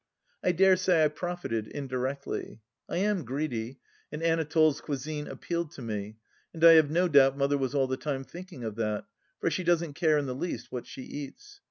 I dare say I profited, indirectly. I am greedy, and Anatole's cuisine appealed to me, and I have no doubt Mother was all the time thinking of that, for she doesn't care in the least what she eats.